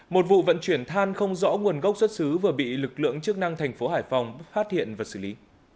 một vụ vận chuyển than không rõ nguồn gốc xuất xứ vừa bị lực lượng chức năng thành phố hải phòng phát hiện và xử lý